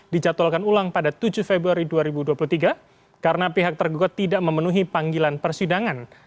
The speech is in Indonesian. dijadwalkan ulang pada tujuh februari dua ribu dua puluh tiga karena pihak tergugat tidak memenuhi panggilan persidangan